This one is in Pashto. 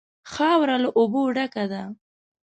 خاوره له اوبو ډکه ده.